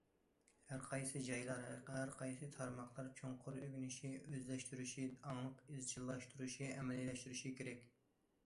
ھەرقايسى جايلار، ھەرقايسى تارماقلار چوڭقۇر ئۆگىنىشى، ئۆزلەشتۈرۈشى، ئاڭلىق ئىزچىللاشتۇرۇشى، ئەمەلىيلەشتۈرۈشى كېرەك.